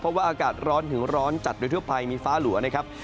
เพราะว่าอากาศร้อนถึงร้อนจัดโดยทั่วไปมีฟ้าหลัวนะครับ